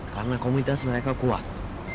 karena komunitas mereka kuat